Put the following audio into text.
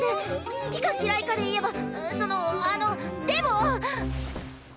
好きか嫌いかで言えばそのあのでも。